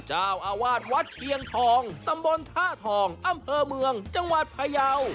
เจ้าอาวาสวัดเชียงทองตำบลท่าทองอำเภอเมืองจังหวัดพยาว